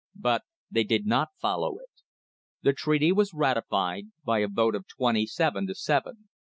But they did not follow it. The treaty was ratified by a vote of twenty seven to seven.